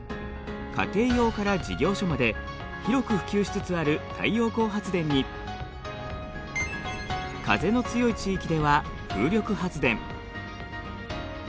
家庭用から事業所まで広く普及しつつある太陽光発電に風の強い地域では風力発電。